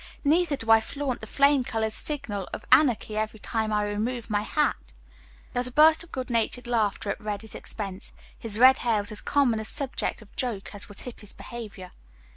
Neither do I flaunt the flame colored signal of anarchy every time I remove my hat." There was a burst of good natured laughter at Reddy's expense. His red hair was as common a subject of joke as was Hippy's behavior.